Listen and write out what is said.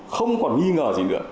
không còn nghi ngờ gì nữa